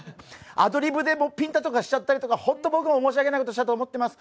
アドリブでびんたとかしちゃったりとか、ホント僕も申し訳なことしたと思っています。